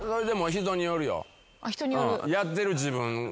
人による？